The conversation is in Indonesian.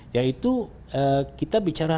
yaitu kita bicara